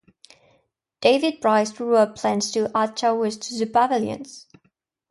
David Bryce drew up plans to add towers to the pavilions.